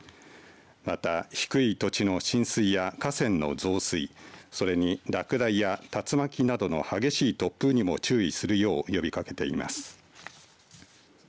また低い土地の浸水や河川の増水それに落雷や竜巻などの激しい突風にも注意するよう呼びかけています。